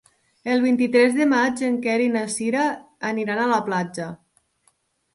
El vint-i-tres de maig en Quer i na Cira aniran a la platja.